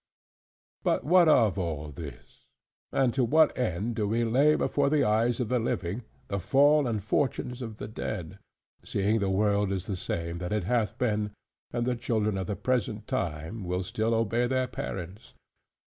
But what of all this? and to what end do we lay before the eyes of the living, the fall and fortunes of the dead: seeing the world is the same that it hath been; and the children of the present time, will still obey their parents?